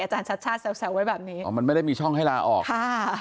ชัดชาติแซวไว้แบบนี้อ๋อมันไม่ได้มีช่องให้ลาออกค่ะ